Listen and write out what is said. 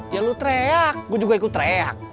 ya lo terek gue juga ikut terek